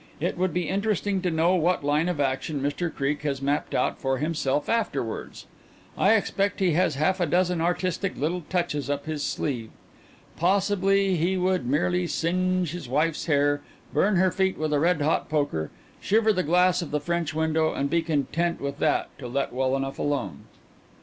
It would be interesting to know what line of action Mr Creake has mapped out for himself afterwards. I expect he has half a dozen artistic little touches up his sleeve. Possibly he would merely singe his wife's hair, burn her feet with a red hot poker, shiver the glass of the French window, and be content with that to let well alone.